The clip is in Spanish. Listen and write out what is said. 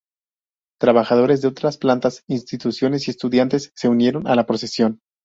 Trabajadores de otras plantas, instituciones y estudiantes se unieron a la procesión.